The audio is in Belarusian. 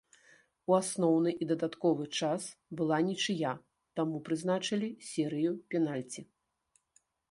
У асноўны і дадатковы час была нічыя, таму прызначылі серыю пенальці.